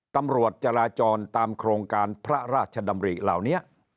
ตำรวจจราจรตามโครงการพระราชดำริเหล่านี้